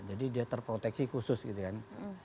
jadi dia terproteksi khusus gitu kan